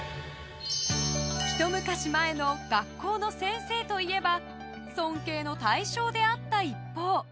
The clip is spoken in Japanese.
ひと昔前の学校の先生といえば尊敬の対象であった一方。